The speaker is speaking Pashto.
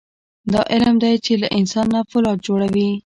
دا علم دی چې له انسان نه فولاد جوړوي.